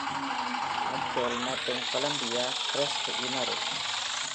Michelle, மற்றும் Columbia Crest Winery.